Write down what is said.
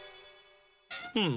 うん。